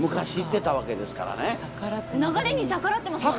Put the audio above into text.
流れに逆らってますもんね。